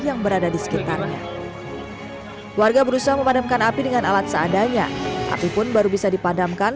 yang berada di sekitarnya warga berusaha memadamkan api dengan alat seadanya api pun baru bisa dipadamkan